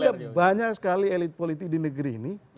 ada banyak sekali elit politik di negeri ini